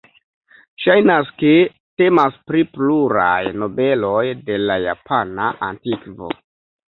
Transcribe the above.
Ŝajnas ke temas pri pluraj nobeloj de la japana antikvo.